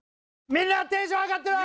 みんなテンション上がってる？